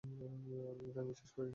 আমি তাকে বিশ্বাস করি না।